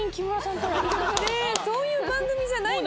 そういう番組じゃない。